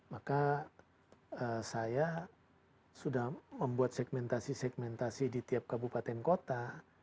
maka saya sudah membuat segmentasi segmentasi di tiap kabupaten kota